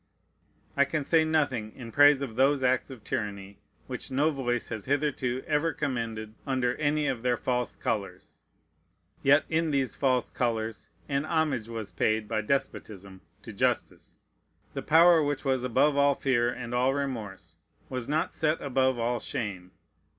I can say nothing in praise of those acts of tyranny, which no voice has hitherto ever commended under any of their false colors; yet in these false colors an homage was paid by despotism to justice. The power which was above all fear and all remorse was not set above all shame.